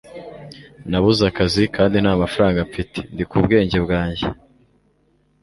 nabuze akazi kandi nta mafaranga mfite. ndi ku bwenge bwanjye